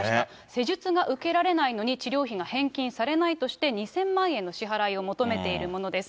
施術が受けられないのに治療費が返金されないとして、２０００万円の支払いを求めているものです。